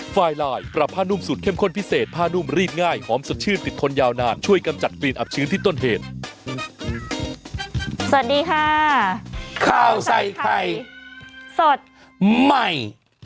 สวัสดีค่ะข้าวใส่ไข่สดใหม่